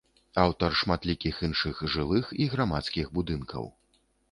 Аўтар шматлікіх іншых жылых і грамадскіх будынкаў.